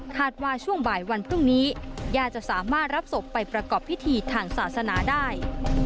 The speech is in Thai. ว่าช่วงบ่ายวันพรุ่งนี้ญาติจะสามารถรับศพไปประกอบพิธีทางศาสนาได้